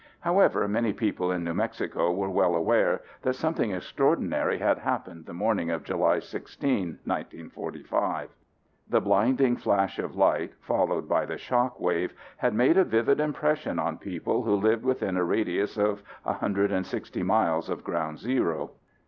However, many people in New Mexico were well aware that something extraordinary had happened the morning of July 16, 1945. The blinding flash of light, followed by the shock wave had made a vivid impression on people who lived within a radius of 160 miles of ground zero.